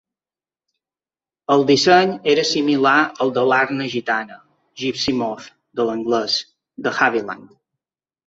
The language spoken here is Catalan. El disseny era similar al de l'Arna Gitana (Gipsy Moth, de l'anglès) de Havilland.